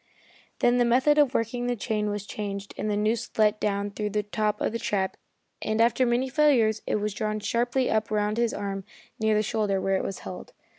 Then the method of working the chain was changed and the noose let down through the top of the trap, and after many failures it was drawn sharply up round his arm near the shoulder, where it held.